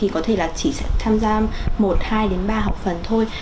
có thể chỉ tham gia một hai ba học phần thôi